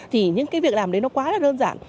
thì những cái việc làm đấy nó quá là đơn giản